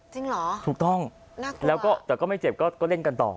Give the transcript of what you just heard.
จริงเหรอน่ากลัวอ่ะถูกต้องแต่ก็ไม่เจ็บก็เล่นกันต่อ